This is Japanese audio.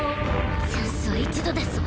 チャンスは一度ですわ。